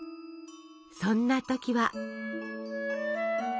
そんな時は。